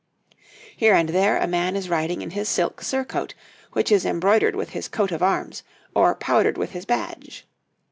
Here and there a man is riding in his silk surcoat, which is embroidered with his coat of arms or powdered with his badge.